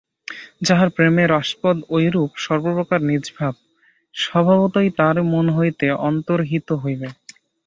যাহার প্রেমের আস্পদ ঐরূপ, সর্বপ্রকার নীচভাব স্বভাবতই তাহার মন হইতে অন্তর্হিত হইবে।